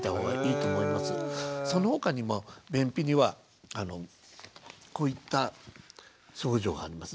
その他にも便秘にはこういった症状があります。